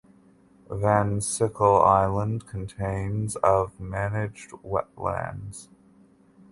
Van Sickle Island contains of managed wetlands.